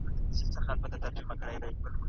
د واده شرایط باید پټ ونه ساتل سي.